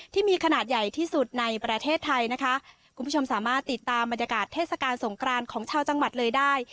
ที่มีขนาดใหญ่ที่สุดในประเทศไทยนะคะคุณผู้ชมสามารถติดตามบรรยากาศเทศกาลสงครานของชาวจังหวัดเลยได้